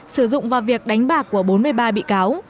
sử dụng vào việc đánh bạc của bốn mươi ba bị cáo